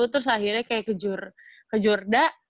terus akhirnya kayak ke jorda